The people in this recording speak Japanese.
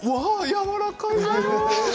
やわらかい。